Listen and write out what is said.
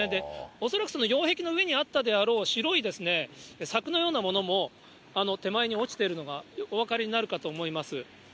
恐らく擁壁の上にあったであろう白い柵のようなものも手前に落ちてるのがお分かりになるかと思います。